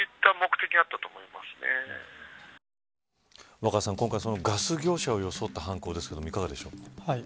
若狭さん、今回ガス業者を装った犯行ですけどいかがでしょうか。